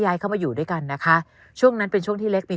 เข้ามาอยู่ด้วยกันนะคะช่วงนั้นเป็นช่วงที่เล็กปี